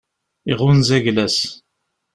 Iɣunza ayla-s.